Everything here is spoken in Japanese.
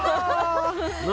何？